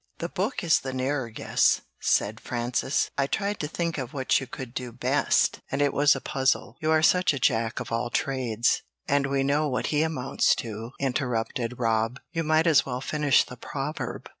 "The book is the nearer guess," said Frances. "I tried to think of what you could do best, and it was a puzzle. You are such a Jack of all trades " "And we know what he amounts to," interrupted Rob. "You might as well finish the proverb."